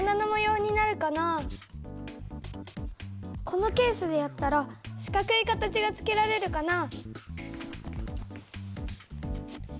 このケースでやったら四角い形がつけられるかな？